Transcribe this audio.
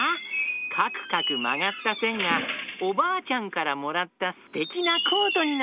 かくかくまがったせんがおばあちゃんからもらったすてきなコートになった！